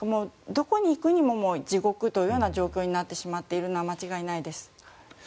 どこに行くにも地獄という状況になってしまっているのは間違いないです。